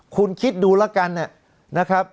คุณคิดดูแล้วกัน